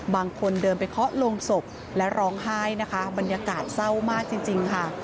บางคนเดินไปเคาะลงศพและร้องไห้นะคะบรรยากาศเศร้ามากจริงค่ะ